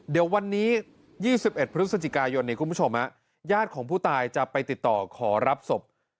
เดี๋ยววันนี้๒๑พฤศจิกายนคุณผู้ชมญาติของผู้ตายจะไปติดต่อขอรับศพ